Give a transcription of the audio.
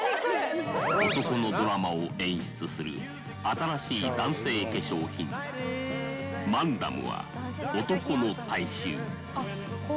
男のドラマを演出する新しい男性化粧品、うーん、マンダム。